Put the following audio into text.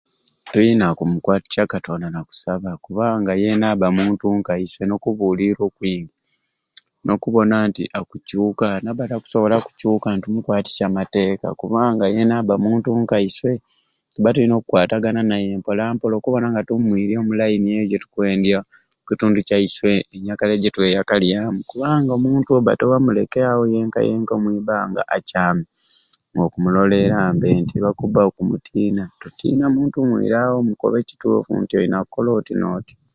Tulina kumukwatisya katonda na kusaba kubanga yeena abba muntu nka iswe n'okubuulirira okwingi n'okubona nti akukyuka nabba nga takusobola kukyuka nitumukwatisya amateeka kubanga yeena abba muntu nka iswe tubba tulina okukwatagana naye mpola mpola okubona nga tumwirya omu layini eyo gitukwendya omukitundu kyaiswe eneyakalya gi tweyakalyamu kubanga omuntu oyo obba tiwamuleke awo yenka yenka omwibbbanga akyame ng'okumuloleera mbe nti lwakubba okumutiina totiina omuntu mwirawo mukobere ekituufu nti olina kukola oti n'oti.